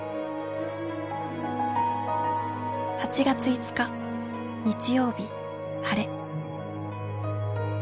「８月５日日曜日晴れ」。